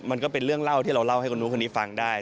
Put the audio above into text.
มันก็เป็นเรื่องเล่าที่เราเล่าให้คนนู้นคนนี้ฟังได้